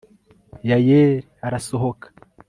yayeli arasohoka